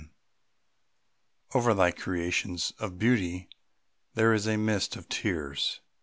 XI Over thy creations of beauty there is a mist of tears.